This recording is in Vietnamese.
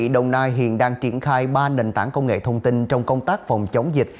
đồng nai hiện đang triển khai ba nền tảng công nghệ thông tin trong công tác phòng chống dịch